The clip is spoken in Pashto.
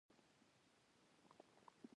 راشه دا ماشوم دوه ټوټې کړه.